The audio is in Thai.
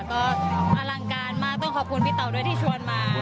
ก็อลังการมากต้องขอบคุณพี่เต๋าด้วยที่ชวนมา